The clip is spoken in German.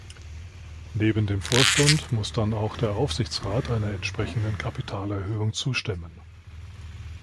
Neben dem Vorstand muss dann auch der Aufsichtsrat einer entsprechenden Kapitalerhöhung zustimmen.